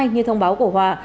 như thông báo của hòa